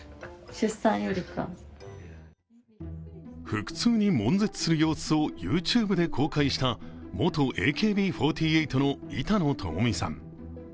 腹痛にもん絶する様子をＹｏｕＴｕｂｅて公開した元ＡＫＢ４８の板野友美さん。